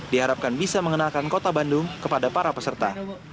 diharapkan bisa mengenalkan kota bandung kepada para peserta